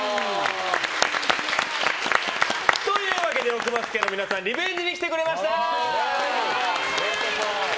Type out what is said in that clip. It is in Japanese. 奥松家の皆さんリベンジに来てくれました。